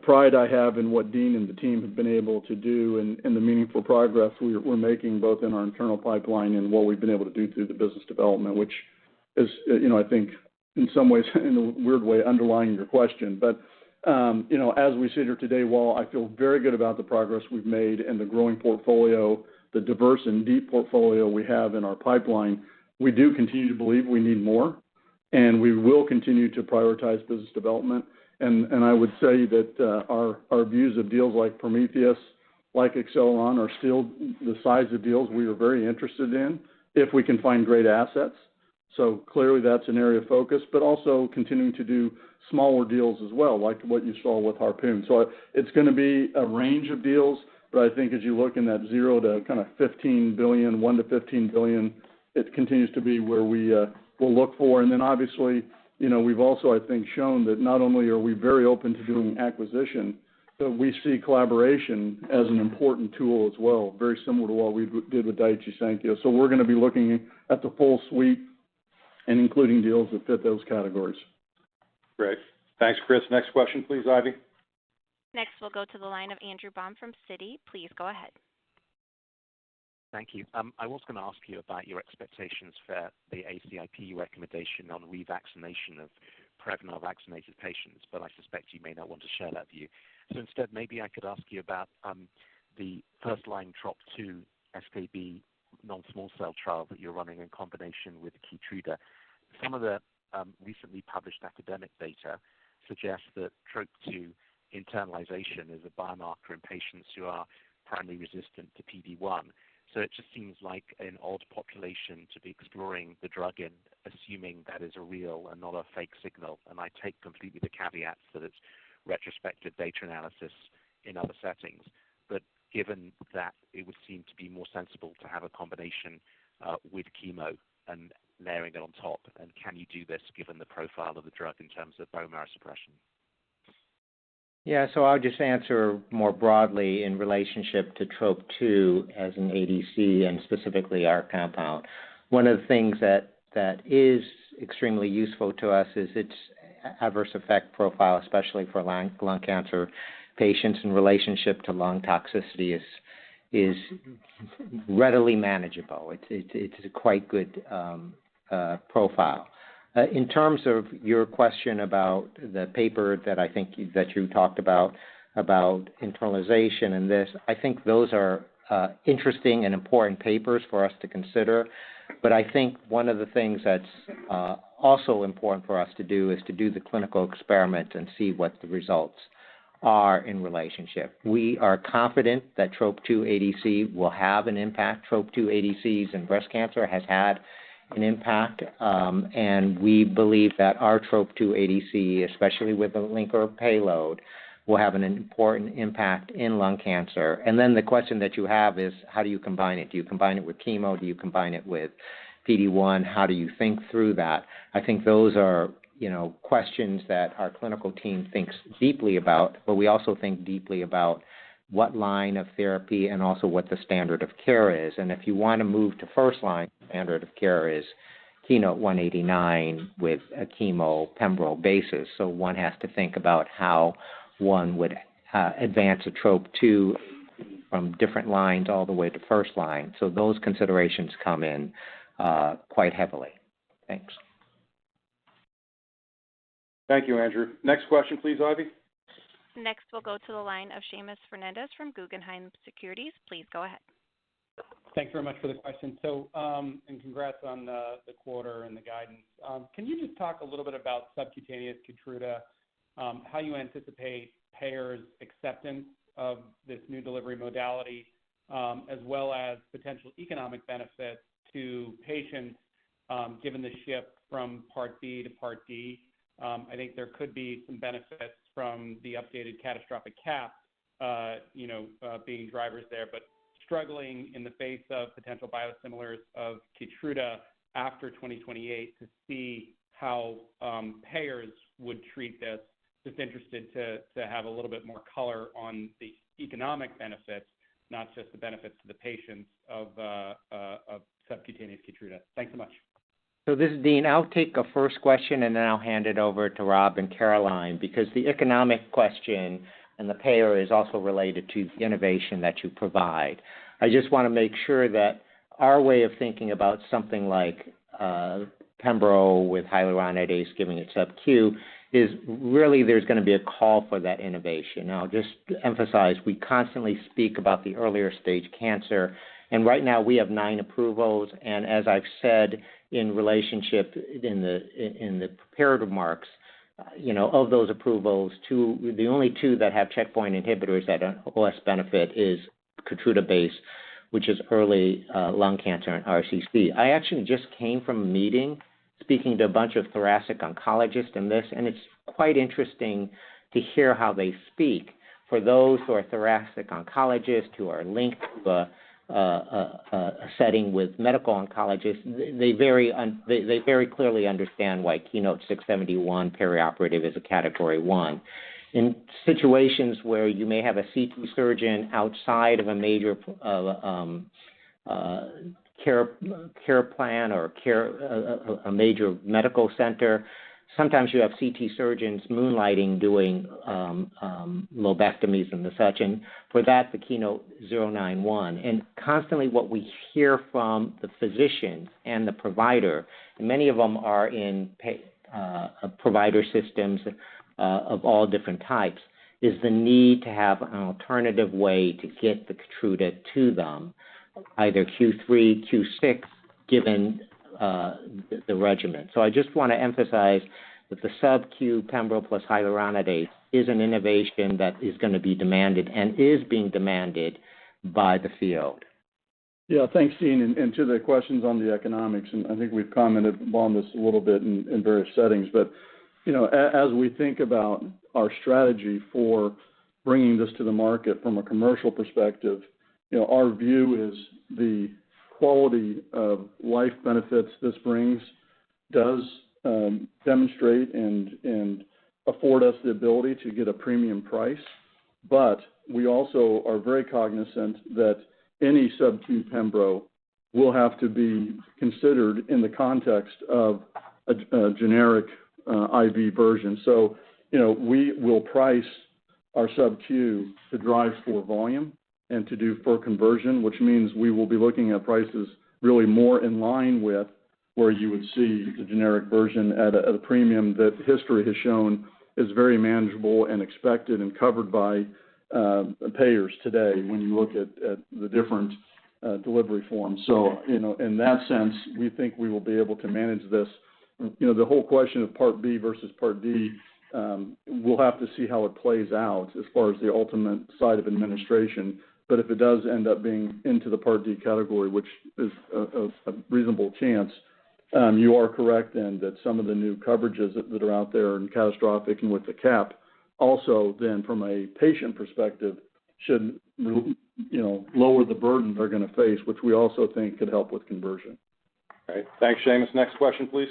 Speaker 3: pride I have in what Dean and the team have been able to do and the meaningful progress we're making, both in our internal pipeline and what we've been able to do through the business development, which is, you know, I think in some ways, in a weird way, underlying your question. But, you know, as we sit here today, while I feel very good about the progress we've made and the growing portfolio, the diverse and deep portfolio we have in our pipeline, we do continue to believe we need more, and we will continue to prioritize business development. I would say that our views of deals like Prometheus, like Acceleron, are still the size of deals we are very interested in, if we can find great assets. So clearly, that's an area of focus, but also continuing to do smaller deals as well, like what you saw with Harpoon. So it's gonna be a range of deals, but I think as you look in that zero to kind of $15 billion, $1-$15 billion, it continues to be where we will look for. And then obviously, you know, we've also, I think, shown that not only are we very open to doing acquisition, but we see collaboration as an important tool as well, very similar to what we did with Daiichi Sankyo. So we're gonna be looking at the full suite and including deals that fit those categories.
Speaker 1: Great. Thanks, Chris. Next question, please, Ivy. Next, we'll go to the line of Andrew Baum from Citi. Please go ahead.
Speaker 15: Thank you. I was gonna ask you about your expectations for the ACIP recommendation on revaccination of Prevnar vaccinated patients, but I suspect you may not want to share that view. So instead, maybe I could ask you about the first line Trop-2 ADC non-small cell trial that you're running in combination with KEYTRUDA. Some of the recently published academic data suggests that Trop-2 internalization is a biomarker in patients who are primary resistant to PD-1. So it just seems like an odd population to be exploring the drug and assuming that is a real and not a fake signal. And I take completely the caveat that it's retrospective data analysis in other settings. But given that, it would seem to be more sensible to have a combination with chemo and layering it on top. Can you do this given the profile of the drug in terms of bone marrow suppression?
Speaker 5: Yeah, so I'll just answer more broadly in relationship to Trop-2 as an ADC and specifically our compound. One of the things that is extremely useful to us is its adverse effect profile, especially for lung cancer patients in relationship to lung toxicity, is readily manageable. It's a quite good profile. In terms of your question about the paper that I think that you talked about, about internalization and this, I think those are interesting and important papers for us to consider. But I think one of the things that's also important for us to do is to do the clinical experiment and see what the results are in relationship. We are confident that Trop-2 ADC will have an impact. Trop-2 ADCs in breast cancer has had an impact, and we believe that our Trop-2 ADC, especially with the linker payload, will have an important impact in lung cancer. And then the question that you have is: how do you combine it? Do you combine it with chemo? Do you combine it with PD-1? How do you think through that? I think those are, you know, questions that our clinical team thinks deeply about, but we also think deeply about what line of therapy and also what the standard of care is. And if you want to move to first line, standard of care is KEYNOTE-189 with a chemo pembro basis. So one has to think about how one would advance a Trop-2 from different lines all the way to first line. So those considerations come in quite heavily. Thanks.
Speaker 1: Thank you, Andrew. Next question, please, Ivy. Next, we'll go to the line of Seamus Fernandez from Guggenheim Securities. Please go ahead.
Speaker 16: Thanks very much for the question. So, and congrats on the quarter and the guidance. Can you just talk a little bit about subcutaneous KEYTRUDA, how you anticipate payers' acceptance of this new delivery modality, as well as potential economic benefits to patients, given the shift from Part B to Part D? I think there could be some benefits from the updated catastrophic cap, you know, being drivers there, but struggling in the face of potential biosimilars of KEYTRUDA after 2028 to see how payers would treat this. Just interested to have a little bit more color on the economic benefits, not just the benefits to the patients of subcutaneous KEYTRUDA. Thanks so much. ...
Speaker 5: So this is Dean. I'll take the first question, and then I'll hand it over to Rob and Caroline, because the economic question and the payer is also related to the innovation that you provide. I just want to make sure that our way of thinking about something like pembro with hyaluronidase, giving it subQ, is really there's gonna be a call for that innovation. I'll just emphasize, we constantly speak about the earlier stage cancer, and right now we have nine approvals. And as I've said, in relationship in the formative markets, you know, of those approvals, two- the only two that have checkpoint inhibitors that have OS benefit is KEYTRUDA-based, which is early lung cancer and RCC. I actually just came from a meeting speaking to a bunch of thoracic oncologists in this, and it's quite interesting to hear how they speak. For those who are thoracic oncologists, who are linked to a setting with medical oncologists, they very clearly understand why KEYNOTE-671 perioperative is a Category One. In situations where you may have a CT surgeon outside of a major care plan or a major medical center, sometimes you have CT surgeons moonlighting, doing lobectomies and the such, and for that, the KEYNOTE-091. And constantly, what we hear from the physicians and the providers, many of them are in provider systems of all different types, is the need to have an alternative way to get the KEYTRUDA to them, either Q3, Q6, given the regimen. So I just want to emphasize that the subQ pembro plus hyaluronidase is an innovation that is gonna be demanded and is being demanded by the field.
Speaker 3: Yeah. Thanks, Dean. And to the questions on the economics, and I think we've commented on this a little bit in various settings, but you know, as we think about our strategy for bringing this to the market from a commercial perspective, you know, our view is the quality-of-life benefits this brings does demonstrate and afford us the ability to get a premium price. But we also are very cognizant that any subQ pembro will have to be considered in the context of a generic IV version. So, you know, we will price our subQ to drive for volume and to do for conversion, which means we will be looking at prices really more in line with where you would see the generic version at a premium that history has shown is very manageable and expected and covered by payers today when you look at the different delivery forms. So, you know, in that sense, we think we will be able to manage this. You know, the whole question of Part B versus Part D, we'll have to see how it plays out as far as the ultimate side of administration, but if it does end up being into the Part D category, which is a reasonable chance, you are correct in that some of the new coverages that are out there and catastrophic and with the cap, also, then from a patient perspective, should, you know, lower the burden they're gonna face, which we also think could help with conversion.
Speaker 1: Great. Thanks, Seamus. Next question, please.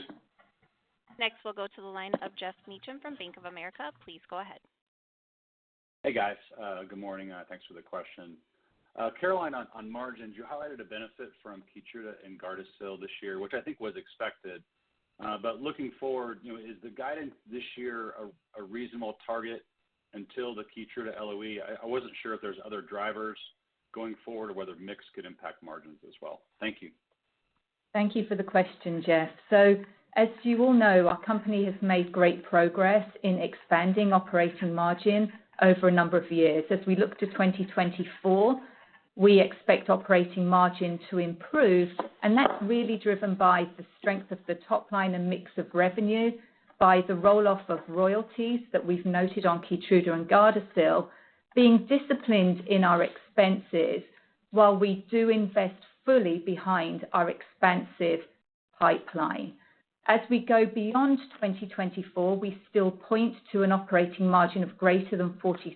Speaker 1: Next, we'll go to the line of Geoff Meacham from Bank of America. Please go ahead.
Speaker 17: Hey, guys. Good morning, thanks for the question. Caroline, on margins, you highlighted a benefit from KEYTRUDA and GARDASIL this year, which I think was expected. But looking forward, you know, is the guidance this year a reasonable target until the KEYTRUDA LOE? I wasn't sure if there's other drivers going forward or whether mix could impact margins as well. Thank you.
Speaker 4: Thank you for the question, Geoff. As you all know, our company has made great progress in expanding operating margin over a number of years. As we look to 2024, we expect operating margin to improve, and that's really driven by the strength of the top line and mix of revenues, by the roll-off of royalties that we've noted on KEYTRUDA and GARDASIL, being disciplined in our expenses while we do invest fully behind our expansive pipeline. As we go beyond 2024, we still point to an operating margin of greater than 40%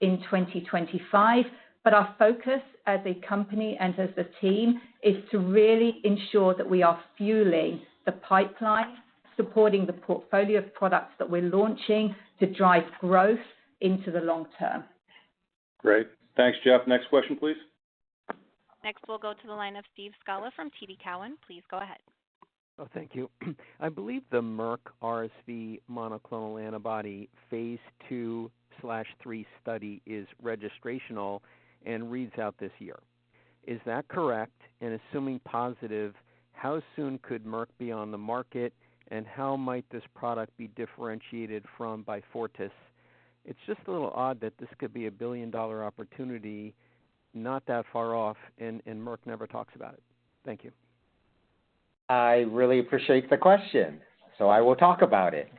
Speaker 4: in 2025. But our focus as a company and as a team is to really ensure that we are fueling the pipeline, supporting the portfolio of products that we're launching to drive growth into the long term.
Speaker 1: Great. Thanks, Geoff. Next question, please. Next, we'll go to the line of Steve Scala from TD Cowen. Please go ahead.
Speaker 18: Oh, thank you. I believe the Merck RSV monoclonal antibody Phase 2/3 study is registrational and reads out this year. Is that correct? And assuming positive, how soon could Merck be on the market, and how might this product be differentiated from Beyfortus? It's just a little odd that this could be a billion-dollar opportunity, not that far off, and Merck never talks about it. Thank you.
Speaker 5: I really appreciate the question, so I will talk about it.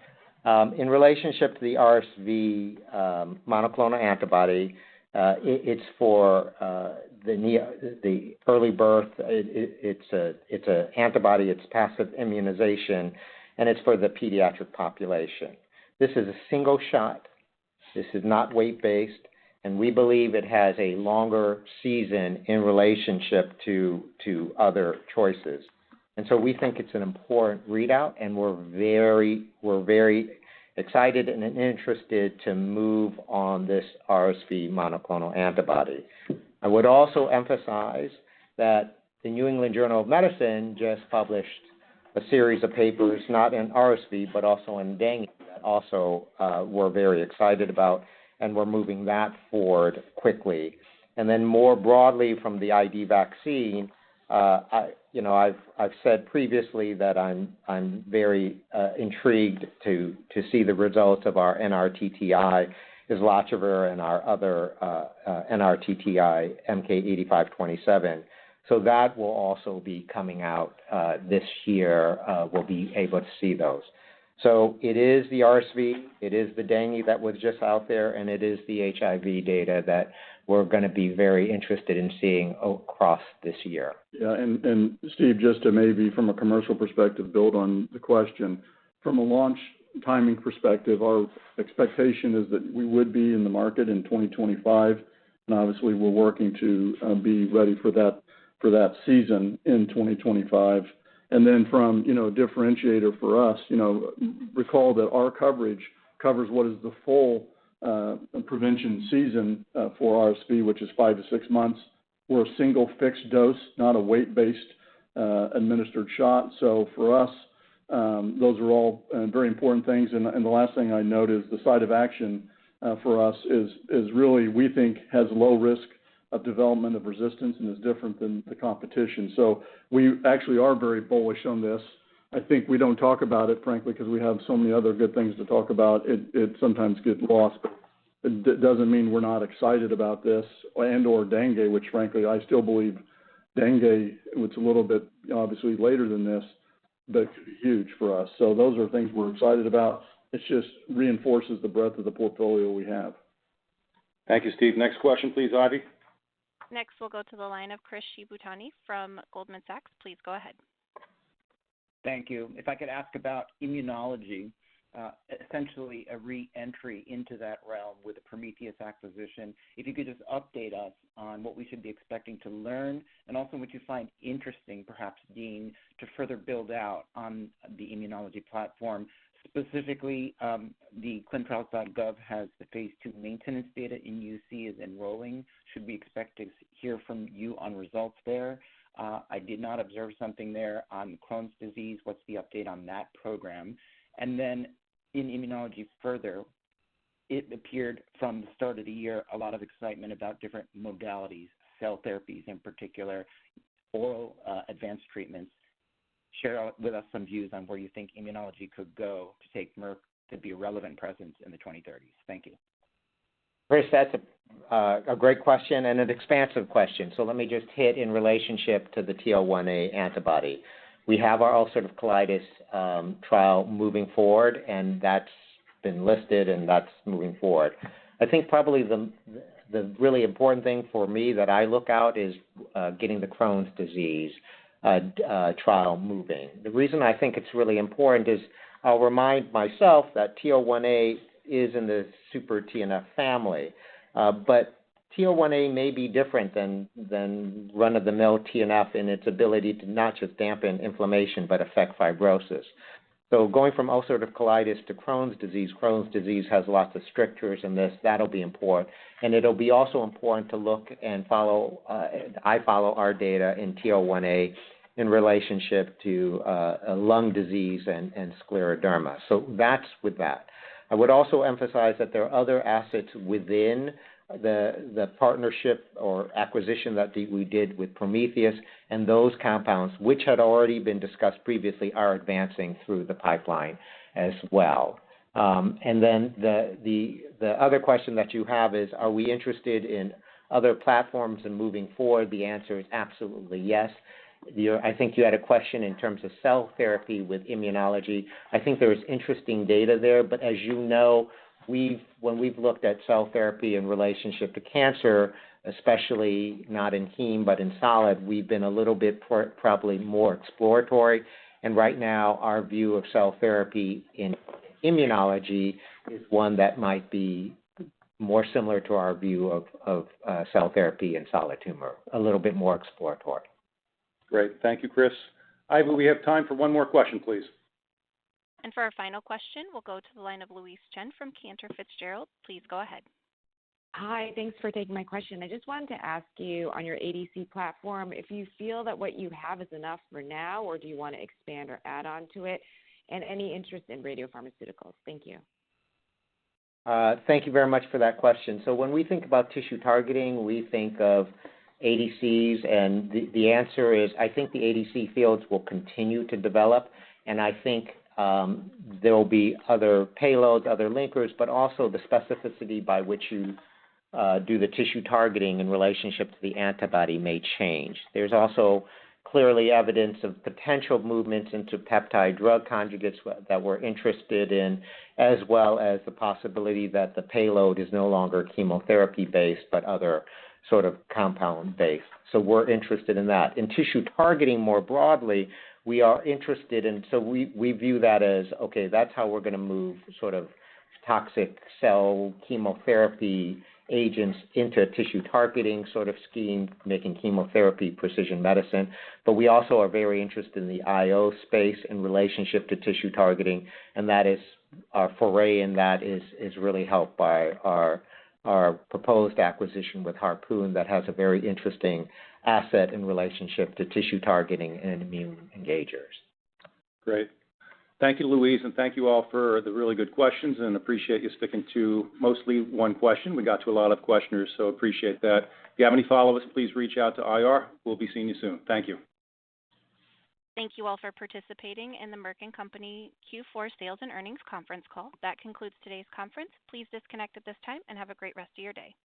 Speaker 5: In relationship to the RSV monoclonal antibody, it's for the every birth. It's an antibody, it's passive immunization, and it's for the pediatric population. This is a single shot; this is not weight-based, and we believe it has a longer season in relationship to other choices. And so we think it's an important readout, and we're very excited and interested to move on this RSV monoclonal antibody. I would also emphasize that the New England Journal of Medicine just published a series of papers, not in RSV, but also in dengue, that also we're very excited about, and we're moving that forward quickly. More broadly, from the IV vaccine, you know, I've said previously that I'm very intrigued to see the results of our NRTTI, islatravir, and our other NRTTI, MK-8527. So that will also be coming out this year, we'll be able to see those. So it is the RSV, it is the dengue that was just out there, and it is the HIV data that we're gonna be very interested in seeing across this year.
Speaker 3: Yeah, and Steve, just to maybe from a commercial perspective, build on the question. From a launch timing perspective, our expectation is that we would be in the market in 2025, and obviously, we're working to be ready for that season in 2025. And then from, you know, differentiator for us, you know, recall that our coverage covers what is the full prevention season for RSV, which is five to six months. We're a single fixed dose, not a weight-based administered shot. So for us, those are all very important things. And the last thing I note is the site of action for us is really we think has low risk of development of resistance and is different than the competition. So we actually are very bullish on this. I think we don't talk about it, frankly, 'cause we have so many other good things to talk about. It, it sometimes gets lost, but it doesn't mean we're not excited about this and/or dengue, which frankly, I still believe dengue, it's a little bit obviously later than this, but huge for us. So those are things we're excited about. It just reinforces the breadth of the portfolio we have. Thank you, Steve. Next question, please, Ivy.
Speaker 1: Next, we'll go to the line of Chris Shibutani from Goldman Sachs. Please go ahead.
Speaker 19: Thank you. If I could ask about immunology, essentially a re-entry into that realm with the Prometheus acquisition. If you could just update us on what we should be expecting to learn and also what you find interesting, perhaps, Dean, to further build out on the immunology platform. Specifically, the ClinicalTrials.gov has the Phase 2 maintenance data in UC is enrolling. Should we expect to hear from you on results there? I did not observe something there on Crohn's disease. What's the update on that program? And then in immunology further, it appeared from the start of the year, a lot of excitement about different modalities, cell therapies, in particular, oral, advanced treatments. Share with us some views on where you think immunology could go to take Merck to be a relevant presence in the 2030s. Thank you.
Speaker 5: Chris, that's a great question and an expansive question. So let me just hit in relationship to the TL1A antibody. We have our ulcerative colitis trial moving forward, and that's been listed and that's moving forward. I think probably the really important thing for me that I look out is getting the Crohn's disease trial moving. The reason I think it's really important is I'll remind myself that TL1A is in the super TNF family, but TL1A may be different than run-of-the-mill TNF in its ability to not just dampen inflammation, but affect fibrosis. So going from ulcerative colitis to Crohn's disease, Crohn's disease has lots of strictures in this, that'll be important. And it'll be also important to look and follow, I follow our data in TL1A in relationship to lung disease and scleroderma. So that's with that. I would also emphasize that there are other assets within the partnership or acquisition that we did with Prometheus, and those compounds, which had already been discussed previously, are advancing through the pipeline as well. And then the other question that you have is, are we interested in other platforms and moving forward? The answer is absolutely yes. I think you had a question in terms of cell therapy with immunology. I think there is interesting data there, but as you know, when we've looked at cell therapy in relationship to cancer, especially actually not in heme, but in solid, we've been a little bit probably more exploratory. And right now, our view of cell therapy in immunology is one that might be more similar to our view of cell therapy in solid tumor, a little bit more exploratory.
Speaker 3: Great. Thank you, Chris. Ivy, we have time for one more question, please.
Speaker 1: For our final question, we'll go to the line of Louise Chen from Cantor Fitzgerald. Please go ahead.
Speaker 20: Hi, thanks for taking my question. I just wanted to ask you, on your ADC platform, if you feel that what you have is enough for now, or do you want to expand or add on to it? And any interest in radiopharmaceuticals? Thank you.
Speaker 5: Thank you very much for that question. So when we think about tissue targeting, we think of ADCs, and the answer is, I think the ADC fields will continue to develop, and I think there will be other payloads, other linkers, but also the specificity by which you do the tissue targeting in relationship to the antibody may change. There's also clearly evidence of potential movements into peptide drug conjugates that we're interested in, as well as the possibility that the payload is no longer chemotherapy-based, but other sort of compound-based. So we're interested in that. In tissue targeting more broadly, we are interested in... So we view that as, okay, that's how we're gonna move sort of toxic cell chemotherapy agents into a tissue targeting sort of scheme, making chemotherapy precision medicine. But we also are very interested in the IO space in relationship to tissue targeting, and that is our foray, and that is really helped by our proposed acquisition with Harpoon that has a very interesting asset in relationship to tissue targeting and immune engagers.
Speaker 3: Great. Thank you, Louise, and thank you all for the really good questions, and appreciate you sticking to mostly one question. We got to a lot of questioners, so appreciate that. If you have any follow-ups, please reach out to IR. We'll be seeing you soon. Thank you.
Speaker 1: Thank you all for participating in the Merck & Co. Q4 Sales and Earnings conference call. That concludes today's conference. Please disconnect at this time and have a great rest of your day.